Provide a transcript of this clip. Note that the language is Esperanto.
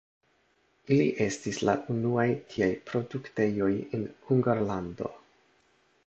Ili estis la unuaj tiaj produktejoj en Hungarlando.